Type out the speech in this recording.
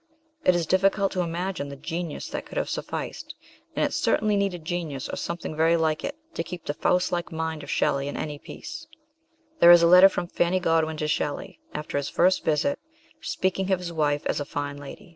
It is difficult to imagine the genius that could have sufficed, and it certainly needed genius, or something very like it, to keep the Faust like mind of Shelley in any peace. There is a letter from Fanny Godwin to Shelley, after his first visit, speaking of his wife as a fine lady.